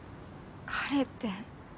「彼」って。